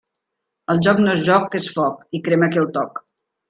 El joc no és joc, que és foc, i crema qui el toc.